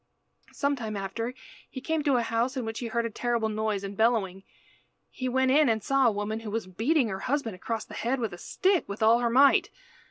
Some time after he came to a house in which he heard a terrible noise and bellowing. He went in and saw a woman who was beating her husband across the head with a stick with all her might.